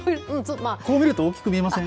こう見ると大きく見えません？